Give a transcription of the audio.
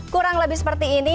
kurang lebih seperti ini